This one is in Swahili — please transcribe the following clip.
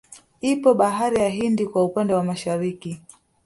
Ipo bahari ya Hindi kwa upande wa Mashariki